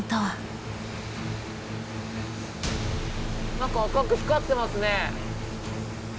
なんか赤く光ってますね。